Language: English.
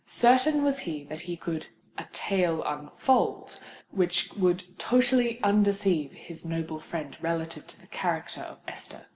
Certain was he that he "could a tale unfold" which would totally undeceive his noble friend relative to the character of Esther.